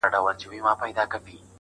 د اله زار خبري ډېري ښې دي,